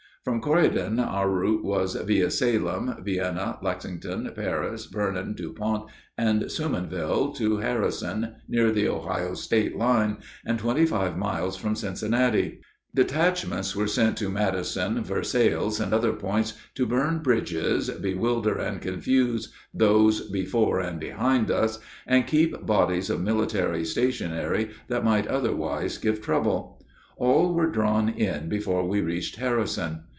From Corydon our route was via Salem, Vienna, Lexington, Paris, Vernon, Dupont, and Sumanville to Harrison, near the Ohio State line and twenty five miles from Cincinnati. Detachments were sent to Madison, Versailles, and other points, to burn bridges, bewilder and confuse those before and behind us, and keep bodies of military stationary that might otherwise give trouble. All were drawn in before we reached Harrison.